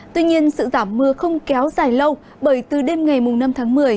tuy nhiên sự giảm mưa không kéo dài lâu bởi từ đêm ngày năm tháng một mươi